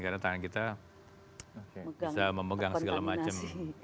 karena tangan kita bisa memegang segala macam